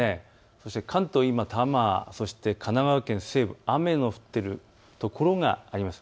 そして関東多摩、神奈川県西部、今雨の降っている所があります。